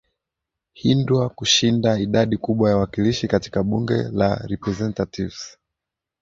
hindwa kushinda idadi kubwa ya wakilishi katika bunge la representatives